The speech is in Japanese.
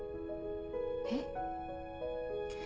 えっ？